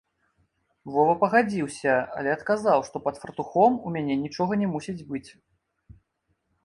Вова пагадзіўся, але адказаў, што пад фартухом у мяне нічога не мусіць быць.